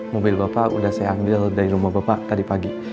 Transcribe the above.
mobil bapak udah saya ambil dari rumah bapak tadi pagi